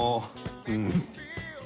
うん。